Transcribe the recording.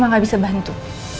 mama gak bisa bantu